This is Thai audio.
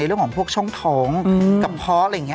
เรื่องของพวกช่องท้องกระเพาะอะไรอย่างนี้